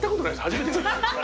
初めて。